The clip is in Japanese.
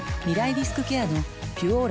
リスクケアの「ピュオーラ」